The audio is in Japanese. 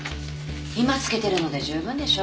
今付けてるので十分でしょ。